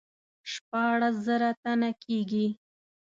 شپاړس زره تنه کیږي.